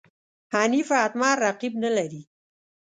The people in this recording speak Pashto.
حنیف اتمر رقیب نه لري.